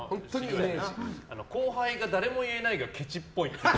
後輩が誰も言えないがケチっぽい。